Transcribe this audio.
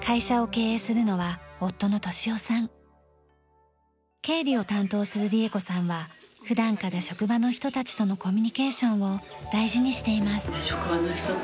経理を担当する理恵子さんは普段から職場の人たちとのコミュニケーションを大事にしています。